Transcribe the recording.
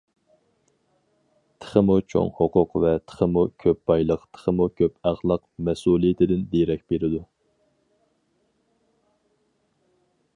تېخىمۇ چوڭ ھوقۇق ۋە تېخىمۇ كۆپ بايلىق تېخىمۇ كۆپ ئەخلاق مەسئۇلىيىتىدىن دېرەك بېرىدۇ.